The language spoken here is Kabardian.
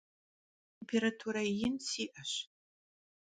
Têmpêratura yin si'eş.